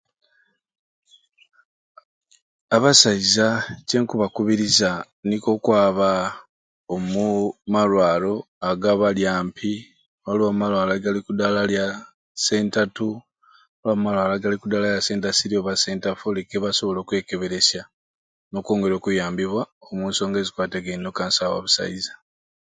Abasaiza kyenkubakubiriza nikwo okwaba omumarwaro agabali ampi waliwo amarwaro agali oku ddagala lya senta ttu waliwo amarwaro agali oku ddagala lya senta siri oba senta for baleke basobole okwekeberesya okwongera okuyambibwa omu nsonga ezikwatagaine n'okansa wa busaiza.